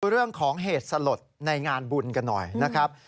เรื่องของเหตุสลดในงานบุญกันหน่อยนะครับ